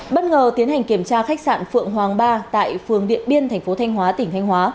bất ngờ tiến hành kiểm tra khách sạn phượng hoàng ba tại phường điện biên thành phố thanh hóa tỉnh thanh hóa